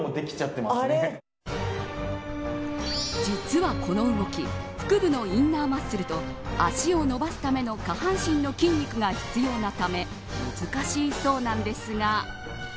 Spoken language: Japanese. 実は、この動き腹部のインナーマッスルと足を伸ばすための下半身の筋肉が必要なため難しいそうなんですが。